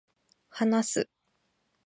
話す